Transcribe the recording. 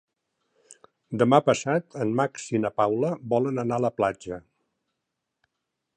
Demà passat en Max i na Paula volen anar a la platja.